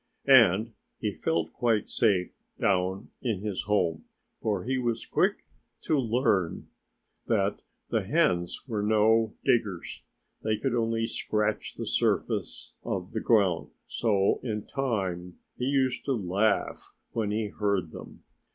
And he felt quite safe down in his home, for he was quick to learn that the hens were no diggers. They could only scratch the surface of the ground. So, in time, he used to laugh when he heard them.